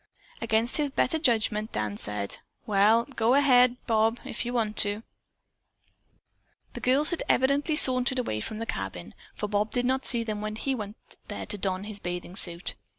Against his better judgment, Dan said, "Well, go ahead, Bob, if you want to." The girls had evidently sauntered away from the cabin, for Bob did not see them when he went there to don his bathing suit.